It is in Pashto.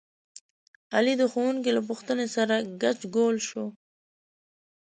علي د ښوونکي له پوښتنې سره ګچ ګول شو.